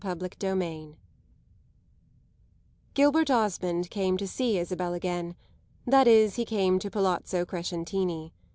CHAPTER XXVI Gilbert Osmond came to see Isabel again; that is he came to Palazzo Crescentini.